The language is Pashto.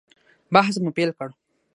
بحث مو پیل کړ.